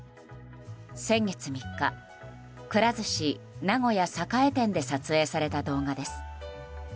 先月３日、くら寿司名古屋栄店で撮影された動画です。